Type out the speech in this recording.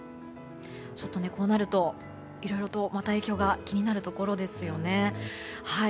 こうなると、いろいろと影響が気になるところですね。